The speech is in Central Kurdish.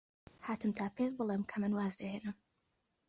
هاتم تا پێت بڵێم کە من واز دەهێنم.